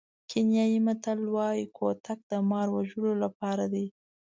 کینیايي متل وایي کوتک د مار وژلو لپاره دی.